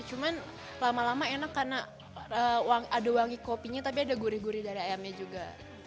cuman lama lama enak karena ada wangi kopinya tapi ada gurih gurih dari ayamnya juga